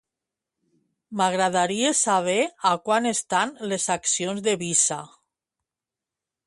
M'agradaria saber a quant estan les accions de Visa.